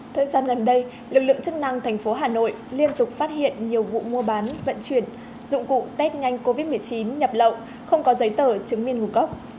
thời gian gần đây lực lượng chức năng thành phố hà nội liên tục phát hiện nhiều vụ mua bán vận chuyển dụng cụ test nhanh covid một mươi chín nhập lậu không có giấy tờ chứng minh nguồn gốc